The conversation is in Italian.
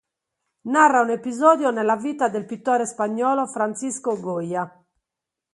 Narra un episodio nella vita del pittore spagnolo Francisco Goya.